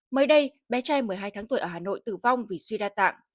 mới đây bé trai một mươi hai tháng tuổi ở hà nội tử vong vì suy đa tạng